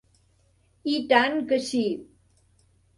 I tant que sí.